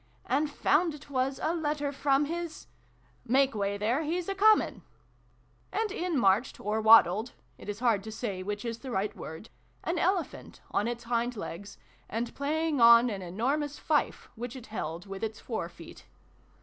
and found it was A letter from his make way there ! He's a coming !" And in marched, or waddled it is hard to say which is the right word an Elephant, on its hind legs, and playing on an enormous fife which it held with its fore feet 336 SYLVIE AND BRUNO CONCLUDED.